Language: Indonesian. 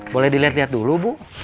boleh diliat liat dulu bu